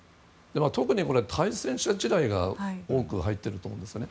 特に、対戦車地雷が多く入ってると思うんですね。